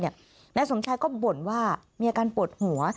นายสมชายก็บ่นว่ามีอาการปวดหัว